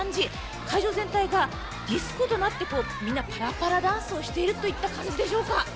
会場全体がディスコとなってみんな、パラパラダンスをしているといった感じでしょうか。